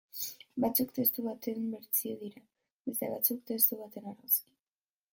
Batzuk testu baten bertsio dira, beste batzuk testu baten argazki.